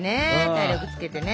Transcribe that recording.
体力つけてね。